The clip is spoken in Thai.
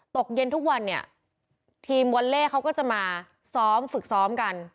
ตกเย็นทุกวันเนี่ยทีมวอลเล่เขาก็จะมาซ้อมฝึกซ้อมกัน